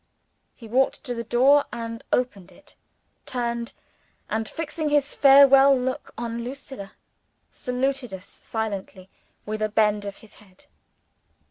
He walked to the door, and opened it turned and, fixing his farewell look on Lucilla, saluted us silently with a bend of his head.